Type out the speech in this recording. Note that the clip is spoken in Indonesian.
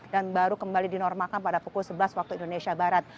dan baru kembali dinormalkan pada pukul sebelas waktu indonesia barat